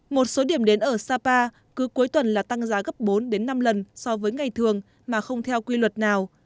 một số điểm đến ở sapa cứ cuối tuần là tăng giá gấp bốn năm lần so với ngày thường mà không theo quy luật nào